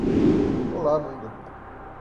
Olá, mundo.